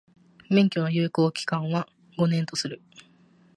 免許の有効期間は、五年とする。